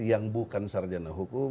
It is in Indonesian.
yang bukan sarjana hukum